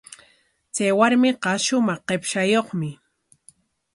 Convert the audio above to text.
Chay warmiqa shumaq qipshayuqmi.